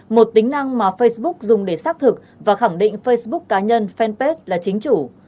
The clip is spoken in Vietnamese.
một tính năng mà facebook dùng để xác thực và khẳng định facebook cá nhân fanpage là chính chủ